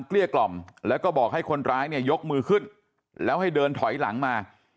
เกี้ยกล่อมแล้วก็บอกให้คนร้ายเนี่ยยกมือขึ้นแล้วให้เดินถอยหลังมา